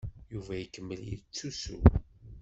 Yuba ikemmel yettusu.